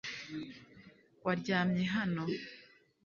waryamye hano